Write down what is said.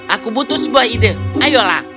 aku butuh sebuah ide ayolah